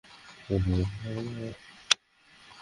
কিন্তু আমাদের অফিসে ফিরে যেতে হবে, ওকে?